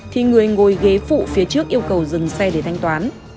thì người ngồi ghế phụ phía trước yêu cầu dừng xe để thanh toán